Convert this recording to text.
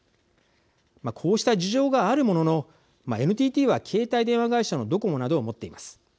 こうした事情があるもののＮＴＴは携帯電話会社のドコモなどを持っています。